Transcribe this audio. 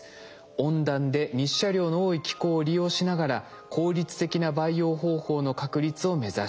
温暖で日射量の多い気候を利用しながら効率的な培養方法の確立を目指しています。